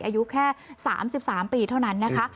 อายุแค่๓๓ปีเท่านั้นนะคะ